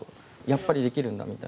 やっぱりできるんだって。